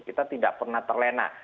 kita tidak pernah terlena